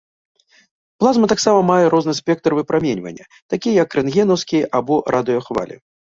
Плазма таксама мае розны спектр выпраменьвання, такі як рэнтгенаўскія або радыёхвалі.